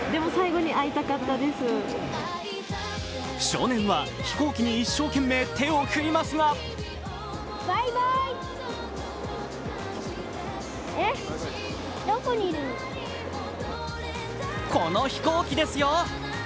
少年は飛行機に一生懸命手を振りますがこの飛行機ですよ！